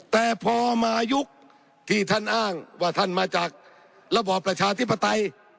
แต่พอมายุคที่ท่านอ้างว่าท่านมาจากระบอบประชาธิปไตย